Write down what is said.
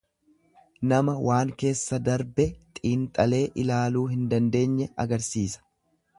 Nama waan keessa darbe xiinxalee ilaaluu hin dandeenye agarsiisa.